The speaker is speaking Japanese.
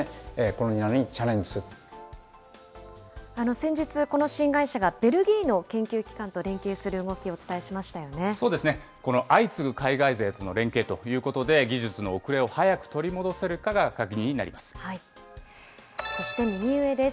先日、この新会社がベルギーの研究機関と連携する動きをお伝えしましたそうですね、この相次ぐ海外勢との連携ということで、技術の後れを早く取り戻せるかが鍵になります。